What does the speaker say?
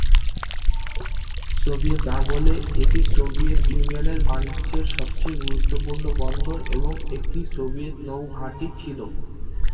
Soviet আমলে এটি Soviet ইউনিয়নের বাণিজ্যের সবচেয়ে গুরুত্বপূর্ণ বন্দর এবং একটি সোভিয়েত নৌ ঘাঁটি ছিল।